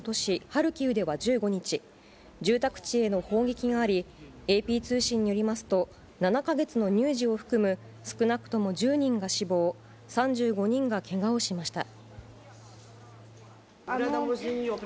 ハルキウでは１５日、住宅地への砲撃があり、ＡＰ通信によりますと、７か月の乳児を含む少なくとも１０人が死亡、３５人がけがをしました。